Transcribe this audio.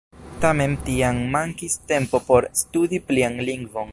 Tamen tiam mankis tempo por studi plian lingvon.